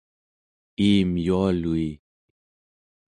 iim yualui